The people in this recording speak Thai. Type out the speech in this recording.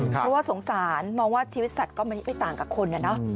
เพราะว่าสงสารมองว่าชีวิตสัตว์ก็ไม่ต่างกับคน